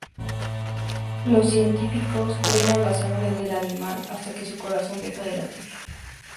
Los científicos drenan la sangre del animal hasta que su corazón deja de latir.